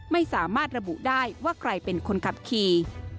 ไม่สามารถระบุได้ว่าใครเป็นคนขับขี่